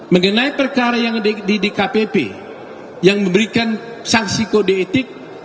mengenai perkara yang ada di dkpp yang memberikan sanksi kode etik